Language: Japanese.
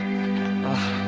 ああ。